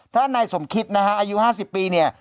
ถ้าในสมคิดนะครับอายุ๕๐ปีเนี่ย